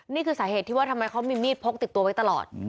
นี่คือสาเหตุที่ว่าทำไมเขามีมีดพกติดตัวไว้ตลอด